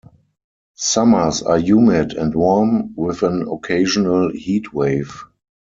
Summers are humid and warm, with an occasional heatwave.